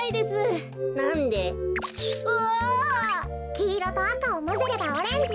きいろとあかをまぜればオレンジよ。